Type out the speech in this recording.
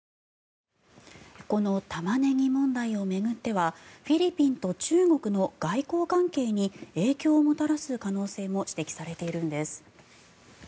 このタマネギ問題を巡ってはフィリピンと中国の外交関係に影響をもたらす可能性も指摘されているんです。